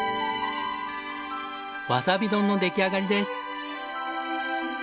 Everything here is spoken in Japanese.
わさび丼の出来上がりです。